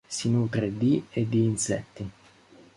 Si nutre di e di insetti.